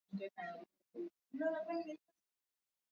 Rwanda yajibu Jamuhuri ya Demokrasia ya Kongo